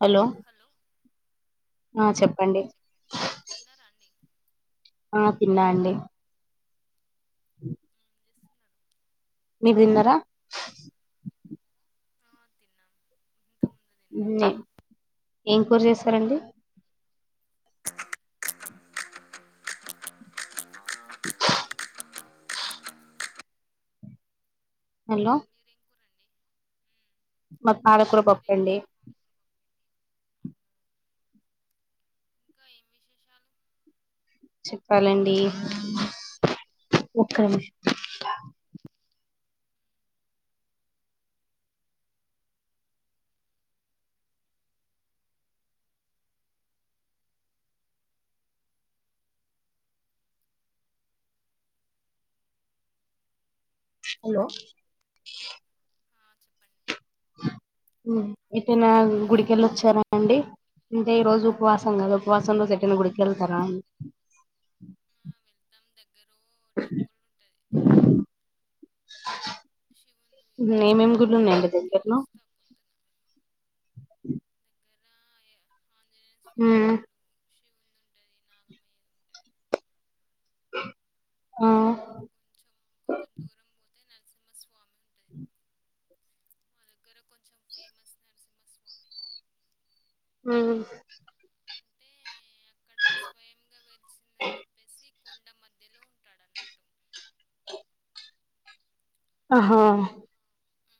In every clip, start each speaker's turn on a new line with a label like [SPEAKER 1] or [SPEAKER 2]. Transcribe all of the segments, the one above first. [SPEAKER 1] Hello ఆ చెప్పండి
[SPEAKER 2] తిన్నారా అండి
[SPEAKER 1] ఆ తిన్నా అండి
[SPEAKER 2] ఏం చేస్తున్నారు
[SPEAKER 1] మీరు తిన్నారా
[SPEAKER 2] ఆ తిన్నాం ఇంతకుముందు తిన్నా
[SPEAKER 1] నిన్నే ఏం కూర చేసారండి హలో
[SPEAKER 2] మీరేం కూరండి మ్మ్.
[SPEAKER 1] మాద్ పాలకూర
[SPEAKER 2] మీదేం
[SPEAKER 1] పప్పండి
[SPEAKER 2] కర్రీ అవునా ఇంకా ఏం విశేషాలు
[SPEAKER 1] చెప్పాలండి ఒక హలో
[SPEAKER 2] ఆ చెప్పండి
[SPEAKER 1] హ్మ్ ఎటైనా గుడికెళ్ళొచ్చారా అండి అంటే ఈ రోజు ఉపవాసం కాద ఉపవాసం రోజు ఎటైనా గుడికెల్తారా అని
[SPEAKER 2] ఆ వెళ్తాం దగ్గరో టెంపుల్ ఉంటది శివుని
[SPEAKER 1] నే
[SPEAKER 2] టెంపుల్
[SPEAKER 1] మేం గుడ్లున్నాయి అంటే ఏం
[SPEAKER 2] అక్కడికి వెళ్ళి
[SPEAKER 1] చెప్పన్నావ్
[SPEAKER 2] వస్తా పొద్దున దగ్గర ఏ- ఆంజనేయ స్వామి
[SPEAKER 1] హ్మ్
[SPEAKER 2] ఉంటాడు శివుని ఉంటుంది నాగమయ్యది ఉంటుంది అటు
[SPEAKER 1] ఆ
[SPEAKER 2] అంటే నరసింహస్వామి ఉంటుంది మా దగ్గర కొంచెం ఫేమస్ నరసింహస్వామి
[SPEAKER 1] హ్మ్
[SPEAKER 2] అంటే అక్కడ స్వయంగా వెలిసిందని చెప్పేసి కొండ మధ్యలో ఉంటాడు అన్నట్టు
[SPEAKER 1] ఆహా
[SPEAKER 2] ఆ,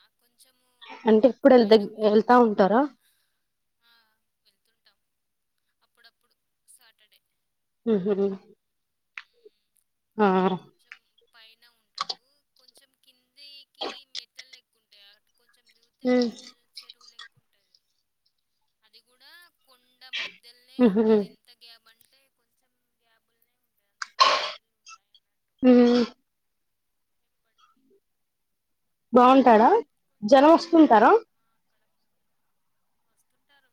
[SPEAKER 2] ఆ కొంచెము
[SPEAKER 1] అంటే ఎప్పుడు వెల్
[SPEAKER 2] పైన
[SPEAKER 1] దగ్
[SPEAKER 2] గుడి
[SPEAKER 1] వెళ్తా ఉంటారా
[SPEAKER 2] ఆ, వెళ్తుంటాం అప్పుడప్పుడు సాటర్డే
[SPEAKER 1] హ్మ్ [unintelligible] ఆ
[SPEAKER 2] కొంచెం పైన ఉంటాడు కొంచెం కిందికి మెట్టేల్ ఎక్కుంటాయి అట్ కొంచెం
[SPEAKER 1] హ్మ్
[SPEAKER 2] డు లెక్కుంటాది అది కూడా కొండ మధ్య
[SPEAKER 1] ఊహూ
[SPEAKER 2] కొంచెం గ్యాబుల్నే ఉంటది అందులో నీళ్ళు ఉంటాయి అన్నట్టు
[SPEAKER 1] హ్మ్
[SPEAKER 2] ఎప్పటికీ
[SPEAKER 1] బాగుంటారా
[SPEAKER 2] కొంచెం
[SPEAKER 1] జనం
[SPEAKER 2] మా
[SPEAKER 1] వస్తుంటారా
[SPEAKER 2] ఆ అక్కడ వస్తుంటారు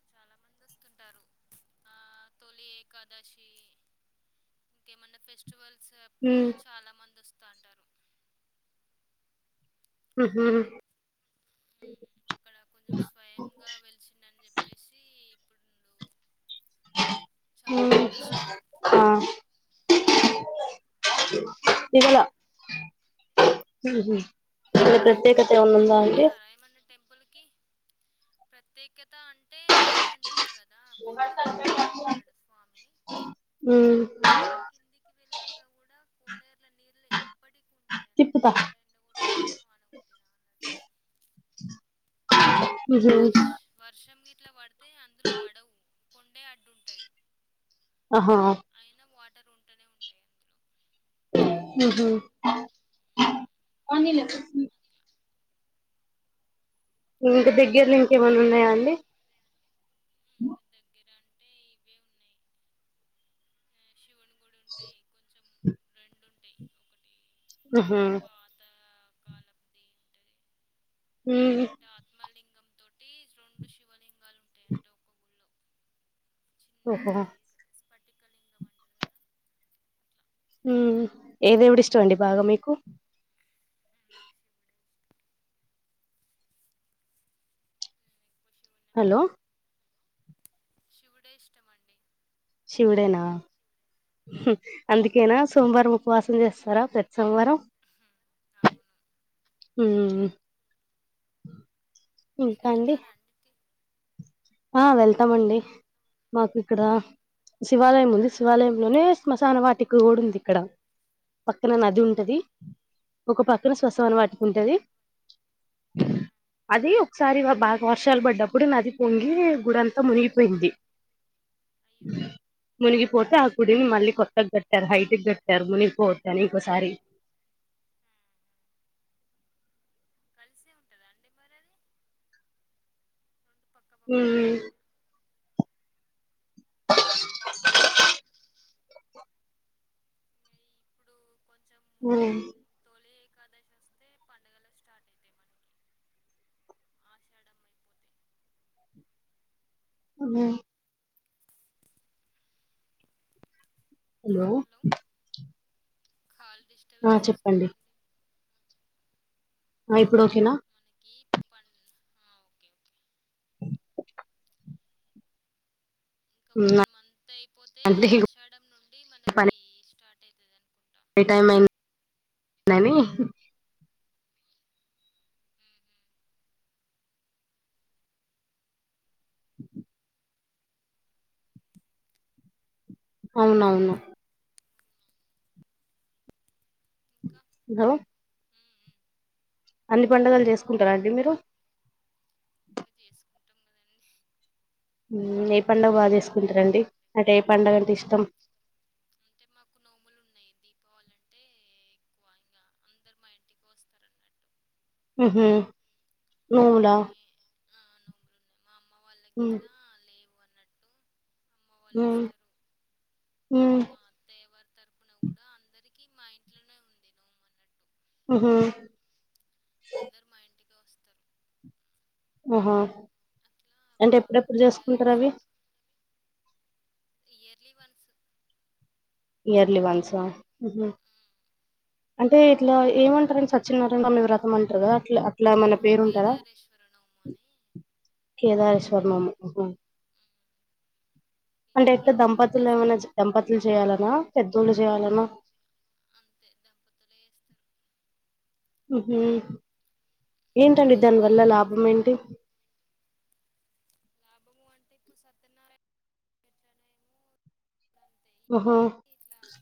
[SPEAKER 2] వస్తుంటారు తొలి ఏకాదశి ఇంకేమైన్నా ఫెస్టివల్స్ సో ఎప్పుడు
[SPEAKER 1] ఉమ్,
[SPEAKER 2] చాలా మంది వస్తు త అంటారు
[SPEAKER 1] ఊహూ
[SPEAKER 2] అక్కడ కొంచెం స్వయంగా వెలిచిందని చెప్పి చాలా మంది వస్తారు
[SPEAKER 1] హ్మ్ ఆ ఇవ్వలా టట్టు ఏమైనా ఉందా అంటే
[SPEAKER 2] టెంపుల్ కి ప్రత్యేకత అంటే అదే అ స్వామి
[SPEAKER 1] హ్మ్
[SPEAKER 2] విన్నాక కూడా కొనేరుల నీళ్లు ఎప్పుటి
[SPEAKER 1] తిప్పుత
[SPEAKER 2] వాన కొట్టినా అన్నట్టు వర్ష్ వర్షం గి ట్ల పడ్ తే అందులో వడవు కొండే అడ్డుంటది
[SPEAKER 1] ఆహా
[SPEAKER 2] ఉంటూనే ఉంటాయి అందులో
[SPEAKER 1] మ్మ్ హ్మ్ పోనీలే కుసుమి ఉ దెగ్గిర్లో
[SPEAKER 2] మీ మా
[SPEAKER 1] ఇంకేమన్నా ఉన్నాయా అండి
[SPEAKER 2] దగ్గర అంటే ఇవే ఉన్నాయి ఆ, శివుని గుడి ఉంటాయి కొంచెం రెండు ఉంటాయి ఒకటి
[SPEAKER 1] అహా
[SPEAKER 2] పాత కాలంది ఉంటుంది
[SPEAKER 1] ఉమ్మ్
[SPEAKER 2] అంటే ఆత్మలింగం తోటి రెండు శివలింగాలు ఉంటాయి అంటే ఒక గుళ్ళో
[SPEAKER 1] ఓహో
[SPEAKER 2] చిన్నది స్ఫటికలింగం అంటారు కదా అట్లా ఉమ్,
[SPEAKER 1] ఏ దేవుడు ఇష్టం అండి బాగా మీకు
[SPEAKER 2] నాకు శివుడే ఇష్టం నేను ఎక్కువ శివుడినే
[SPEAKER 1] హలో
[SPEAKER 2] మొక్కుతా శివుడే ఇష్టమండి
[SPEAKER 1] శివుడేనా హ్మ్ అందుకేనా సోమవారం ఉపవాసం చేస్తారా ప్రతి సోమవారం
[SPEAKER 2] ఉమ్. అవును
[SPEAKER 1] ఉమ్ హు
[SPEAKER 2] మీరు
[SPEAKER 1] ఇంకా అండి
[SPEAKER 2] వెళ్తారా తి-
[SPEAKER 1] ఆ వెళ్తామండి మాకు ఇక్కడ శివాలయం ఉంది, శివాలయంలోనే స్మశాన వాటిక కూడా ఉంది. ఇక్కడ పక్కన నది
[SPEAKER 2] ఆహా
[SPEAKER 1] ఉంటది, ఒకపక్కన స్మశాన వాటికి
[SPEAKER 2] ఓకే
[SPEAKER 1] ఉంటది
[SPEAKER 2] ఆ!
[SPEAKER 1] అది ఒకసారి బాగా వర్షాలు పడ్డప్పుడు నది పొం గి గుడంతా మునిగిపోయింది
[SPEAKER 2] అయ్యో
[SPEAKER 1] మునిగిపోతే ఆ గుడిని మళ్ళీ కొత్తగ్గట్టారు హైట్ గ్గట్టారు మునిగిపోవద్దు అని ఇంకోసారి.
[SPEAKER 2] ఆ! కలిసే ఉంటదా అండి మరి అది పక్క పక్కకే ఉంటాయా
[SPEAKER 1] హ్మ్
[SPEAKER 2] ఇంగ
[SPEAKER 1] హూ
[SPEAKER 2] తోలి ఏకాదశి వస్తే పండుగలు స్టార్ట్ అయితాయి మనకి ఆషాఢ అయిపోతే
[SPEAKER 1] హు హలో
[SPEAKER 2] కాల్
[SPEAKER 1] ఆ
[SPEAKER 2] డిస్టర్బెన్స్
[SPEAKER 1] చెప్పండి
[SPEAKER 2] వస్తుందండి
[SPEAKER 1] అ ఇప్పుడు ఓకేనా
[SPEAKER 2] ఈవ్నింగ్ పనులు హా
[SPEAKER 1] [unintelligible]
[SPEAKER 2] ఒక
[SPEAKER 1] ఉమ్,
[SPEAKER 2] వన్ మంత్ అయిపోతే
[SPEAKER 1] అంటే ఇక
[SPEAKER 2] ఆషాడ నుండి మనకి స్టార్ట్ అయితది అనుకుంటా
[SPEAKER 1] ఏ టైం అయిని [unintelligible] అవునవును
[SPEAKER 2] ఇంకా
[SPEAKER 1] [unintelligible]
[SPEAKER 2] ఉమ్ ఉమ్
[SPEAKER 1] అన్ని పండుగలు చేసుకుంటారా అండి మీరు
[SPEAKER 2] ఇగ చేసుకుంటాం కదండి
[SPEAKER 1] ఏ పండుగ బాగా చేసుకుంటారండి అంటే ఏ పండగంటె ఇష్టం
[SPEAKER 2] అంటే మాకు నోములు ఉన్నాయి దీపావళి అంటే ఎక్కువ ఇంకా అందరు మా ఇంటికి వస్తారు అన్నట్టు
[SPEAKER 1] ఉహుం నోముల
[SPEAKER 2] మీ ఆ, నోములు ఉన్నాయి మా అమ్మ వాళ్ళకి
[SPEAKER 1] ఉం
[SPEAKER 2] ఇట్లా లేవు అన్నట్టు అమ్మ వాళ్ళు
[SPEAKER 1] ఉం
[SPEAKER 2] వస్తారు
[SPEAKER 1] ఉం
[SPEAKER 2] దేవారి తరపున కూడా అందరికి మా ఇంట్లోనే ఉంది నోము అన్నట్టు
[SPEAKER 1] ఉహు
[SPEAKER 2] అందరు మా ఇంటికి వస్తారు
[SPEAKER 1] ఆహ
[SPEAKER 2] అట్లా
[SPEAKER 1] అంటే
[SPEAKER 2] బాగా
[SPEAKER 1] ఎప్పుడెప్పుడు
[SPEAKER 2] పెద్దగా
[SPEAKER 1] చేసుకుంటారు అవి
[SPEAKER 2] చేసుకుంటాం ఇయర్లీ వన్స్
[SPEAKER 1] ఇయర్లీ వన్స్ ఆ అంటే ఇట్లా ఏమంటారండి సత్యనారాయణ స్వామి వ్రతం అంటారు కదా అట్లా ఇట్లా మన పేరు ఉంటందా
[SPEAKER 2] కేదారేశ్వర నోము అని
[SPEAKER 1] కేదారిశ [unintelligible]
[SPEAKER 2] ఉమ్,
[SPEAKER 1] అంటే టె
[SPEAKER 2] ఇంకా
[SPEAKER 1] దంపతులు
[SPEAKER 2] దసరా
[SPEAKER 1] ఏమైనా దంపతులు చేయాల కదా పెద్దోళ్ళు చేయాలన
[SPEAKER 2] అంతే దంపతులే ఏస్తారు
[SPEAKER 1] ఉహు
[SPEAKER 2] ఇంగ
[SPEAKER 1] ఏంటండి దాని
[SPEAKER 2] అది
[SPEAKER 1] వల్ల లాభం
[SPEAKER 2] ద
[SPEAKER 1] ఏంటి
[SPEAKER 2] అంటే ఇప్పుడు సత్యనారాయణ
[SPEAKER 1] ఆహా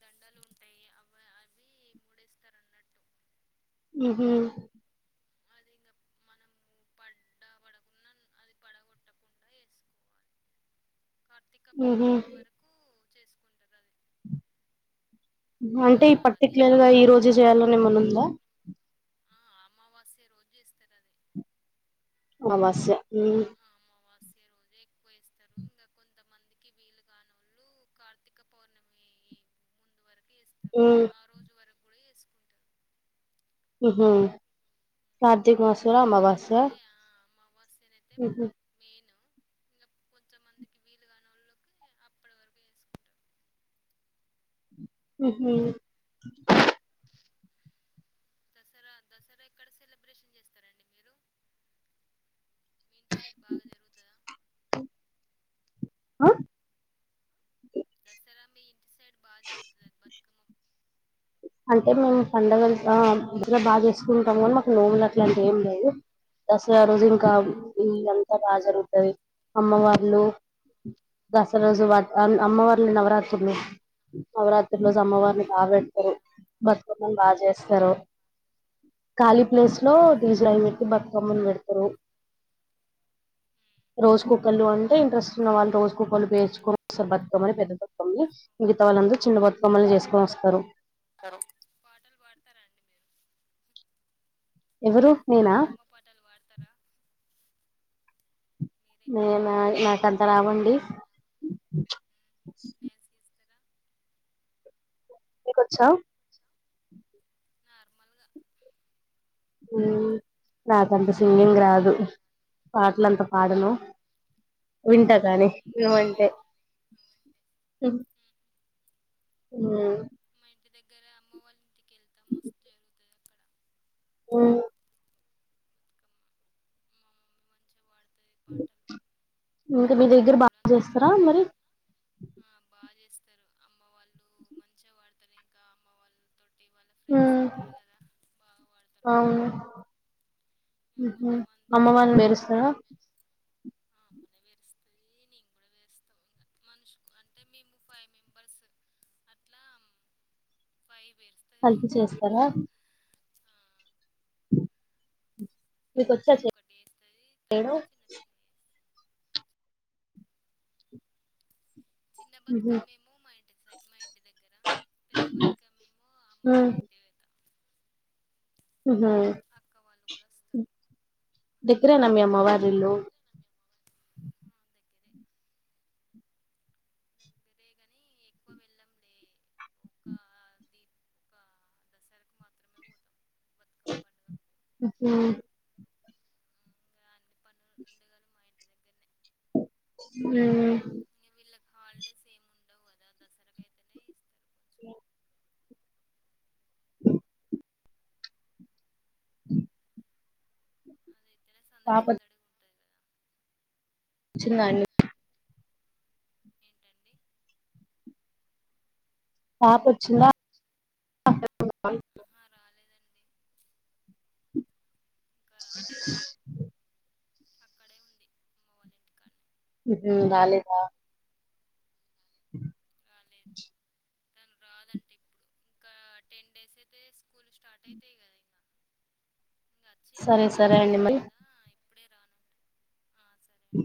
[SPEAKER 2] దండలు ఉంటాయి అవి అవి మూడేస్తారు అన్నట్టు
[SPEAKER 1] ఉహు
[SPEAKER 2] అది ఇంకా మనము పడ్డ పడకున్న అది పడగొట్టకుండా చేసుకోవాలి
[SPEAKER 1] ఉహు
[SPEAKER 2] చేసుకున్ ఇంగా
[SPEAKER 1] అంటే ఈ పర్టిక్లర్
[SPEAKER 2] దీపో
[SPEAKER 1] గా ఈ రోజు చేయాలని ఎమన ఉందా [inaudible]
[SPEAKER 2] ఆ అమావాస్య రోజు చేస్తారు అది
[SPEAKER 1] అమావాస్య
[SPEAKER 2] ఆ అమావాస్య రోజే ఎక్కువ చేస్తారు ఇంకా కొంతమందికి వీలు కానోళ్ళు కార్తీక పౌర్ణమి ముందు వరకు ఏస్తారు
[SPEAKER 1] ఉం
[SPEAKER 2] ఆ రోజు వరకు కూడా ఏసుకుంటారు
[SPEAKER 1] ఉహు కార్తీకమాసం అమావాస్య
[SPEAKER 2] పర్టికులర్గానంటే
[SPEAKER 1] హు హు
[SPEAKER 2] నేను ఇంగ కొంతమందికి వీలు కాని వాళ్ళకి అప్పటి వరకు చేసుకుంటారు
[SPEAKER 1] హు హుమ్
[SPEAKER 2] దసరా దసరా ఎక్కడ సెలబ్రేషన్ చేస్తారండి మీరు మీ ఇంటి సైడ్ బాగా జరుగుతద
[SPEAKER 1] ఆ
[SPEAKER 2] దసరా మీ ఇంటి సైడ్ బాగా జరుగుతది బతుకమ్మ
[SPEAKER 1] అంటే మేము పండగంత ఇంట్లో బాగా చేసుకుంటాం కానీ మాకు నోములు అట్లాంటి ఏం లేదు దసరా రోజు ఇంకా
[SPEAKER 2] ఉమ్,
[SPEAKER 1] ఇ అంతా బాగా జరుగుతుది అమ్మవార్లు దసరా రోజు వా అమ్మవార్లు నవరాత్రులు నవరాత్రు రోజు
[SPEAKER 2] ఆ
[SPEAKER 1] అమ్మవారిని
[SPEAKER 2] ఆ
[SPEAKER 1] బా బెడతారు
[SPEAKER 2] దుర్గానవమి
[SPEAKER 1] బతుకమ్మని బాగా చేస్తరు కాళీ ప్లేస్ లో డీజిల్ అవి పెట్టి బతుకమ్మను పెడతారు రోజు కోకళ్ళు అంటే ఇంట్రెస్ట్ ఉన్న వాళ్ళు రోజు కోకర్లు పేర్చుకొని వస్తారు బతుకమ్మని పెద్ద బతుకమ్మని మిగతా వాళ్ళందరూ చిన్న బతుకమ్మని చేసుకొని వస్తారు
[SPEAKER 2] సరూ పాటలు పాడతారాండి మీరు
[SPEAKER 1] ఎవరు నేనా
[SPEAKER 2] బతుకమ్మ పాటలు పాడతారా మీరే
[SPEAKER 1] నేనా నాకంత రావండి
[SPEAKER 2] డ్యాన్స్ చేస్తారా
[SPEAKER 1] నీకొచ్చ
[SPEAKER 2] నార్మల్గా
[SPEAKER 1] హుమ్ నాకంత సింగింగ్ రాదు పాటలంతా పాడను వింటా కానీ
[SPEAKER 2] ఇంగ నువ్వే
[SPEAKER 1] విన్మంటే
[SPEAKER 2] మా ఇంటి దగ్గర అమ్మ వాళ్ళ ఇంటికె
[SPEAKER 1] హుమ్
[SPEAKER 2] బతుకమ్మ మా మమ్మీ మంచిగా పాడుతది పాటలు
[SPEAKER 1] ఇంకా మీ దగ్గర
[SPEAKER 2] నాకు
[SPEAKER 1] బా
[SPEAKER 2] కూడా అంతలు
[SPEAKER 1] చేస్తరా
[SPEAKER 2] రావులే
[SPEAKER 1] మరి
[SPEAKER 2] ఆ బాగా చేస్తరు అమ్మ వాళ్ళు మంచిగా వాడతారు ఇంకా అమ్మ వాళ్ళు త
[SPEAKER 1] హ
[SPEAKER 2] పాడతారు వాళ్ళు
[SPEAKER 1] అవును
[SPEAKER 2] ఇగ
[SPEAKER 1] హు హు
[SPEAKER 2] కొంతమంది
[SPEAKER 1] అమ్మవారి మెరుస్తరా
[SPEAKER 2] అది నేను కూడా వేస్తాం మనుషుకు అంటే మేము ఫైవ్ మెంబర్స్ అట్లా ఫైవ్ వే
[SPEAKER 1] కలిపి చేస్తరా
[SPEAKER 2] ఆ
[SPEAKER 1] మీకొచ్చా
[SPEAKER 2] పెద్దది ఒకటి వేస్తది తర్వాత
[SPEAKER 1] చేయడం
[SPEAKER 2] చిన్న చిన్న వేస్తది చిన్న బతుకమ్మేమో మా ఇంటి సై మా ఇంటి దగ్గర పెద్ద బతుకమ్మేమో అమ్మ
[SPEAKER 1] హ
[SPEAKER 2] వాళ్ళ ఇంటి వెత అక్క వాళ్ళు కూడా వస్తారు
[SPEAKER 1] దగ్గరేనా మీ అమ్మ వారు హలో
[SPEAKER 2] ఆ దగ్గరే రే గాని ఎక్కువ వెళ్ళంలే ఆ ఒక దీ ఒక దసరకు మాత్రమే పోతాం బతుకమ్ పండుగకు
[SPEAKER 1] హు హుమ్
[SPEAKER 2] ఇంకా అన్ని పండుగలు మా ఇంటి దగ్గరనే
[SPEAKER 1] హుమ్
[SPEAKER 2] లైక్ హాలిడేస్ ఏమి ఉండవు కదా దసరాకు అయితేనే ఇస్తారు కొంచెం
[SPEAKER 1] హుమ్ హ
[SPEAKER 2] అదైతేనే సందడి
[SPEAKER 1] పాపక్
[SPEAKER 2] సందడిగా ఉంటది కదా
[SPEAKER 1] చిన్న ఇల్లు
[SPEAKER 2] ఏంటండి
[SPEAKER 1] పాపొచ్చిందా
[SPEAKER 2] ఆహా రాలేదండి ఇంకా రాలే అక్కడే ఉంది అమ్మ వాళ్ళ ఇంటికాన్నే
[SPEAKER 1] రాలేద
[SPEAKER 2] రాలేదు తను రాదండి ఇప్పుడు ఇంకా టెన్ డేస్ అయితే స్కూల్ స్టార్ట్ అయితాయి కదా ఇంకా ఇంక వచ్చి
[SPEAKER 1] సరే
[SPEAKER 2] అక్కడ్నే
[SPEAKER 1] సరే అండి
[SPEAKER 2] ఉండేదే
[SPEAKER 1] మరి
[SPEAKER 2] కదా ఇప్పుడే రానంట ఆ సరే అండి.
[SPEAKER 1] ఉ